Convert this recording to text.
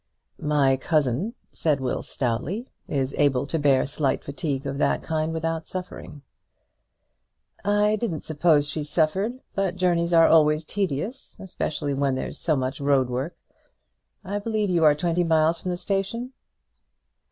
"My cousin," said Will stoutly, "is able to bear slight fatigue of that kind without suffering." "I didn't suppose she suffered; but journeys are always tedious, especially where there is so much road work. I believe you are twenty miles from the station?"